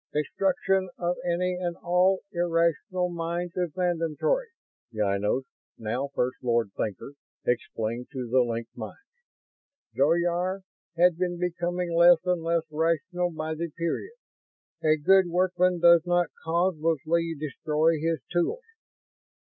"Destruction of any and all irrational minds is mandatory," Ynos, now First Lord Thinker, explained to the linked minds. "Zoyar had been becoming less and less rational by the period. A good workman does not causelessly destroy his tools.